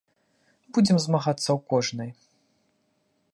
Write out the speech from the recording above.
Будзем змагацца ў кожнай.